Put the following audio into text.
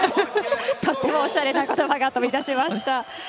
とってもおしゃれなことばが飛び出しました。